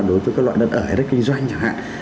đối với các loại đất ở hay đất kinh doanh chẳng hạn